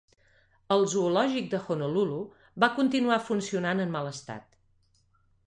El zoològic de Honolulu va continuar funcionant en mal estat.